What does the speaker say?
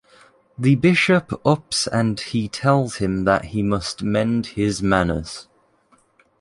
The bishop ups and he tells him that he must mend his manners.